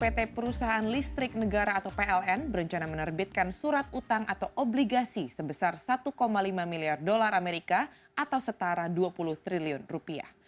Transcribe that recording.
pt perusahaan listrik negara atau pln berencana menerbitkan surat utang atau obligasi sebesar satu lima miliar dolar amerika atau setara dua puluh triliun rupiah